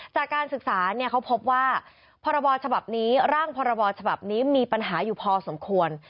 จากการศึกษาเขาพบว่าพรบฉบับนี้ร่างพรบฉบับนี้มีปัญหาอยู่พอสมควร